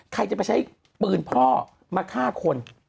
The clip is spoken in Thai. ใครจะไปใช้ปืนพ่อมาฆ่าคน